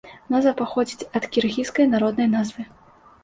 Назва паходзіць ад кіргізскай народнай назвы.